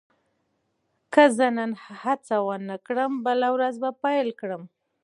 که زه نن هڅه ونه کړم، بله ورځ به پیل کړم.